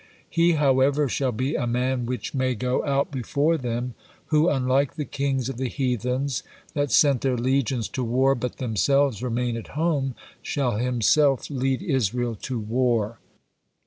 He, however, shall be a man 'which may go out before them,' who, unlike the kings of the heathens, that sent their legions to war but themselves remain at home, shall himself lead Israel to war.